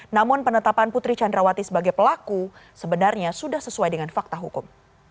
namun penetapan putri candrawati sebagai pelaku sebenarnya sudah sesuai dengan fakta hukum